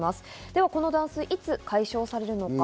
ではこの断水、いつ解消されるのか。